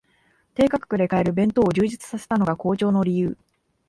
低価格で買える弁当を充実させたのが好調の理由